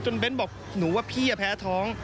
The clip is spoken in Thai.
เบ้นบอกหนูว่าพี่แพ้ท้อง